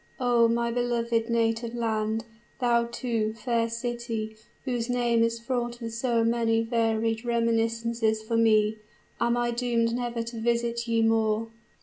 O! my beloved native land, thou too, fair city, whose name is fraught with so many varied reminiscences for me, am I doomed never to visit ye more?"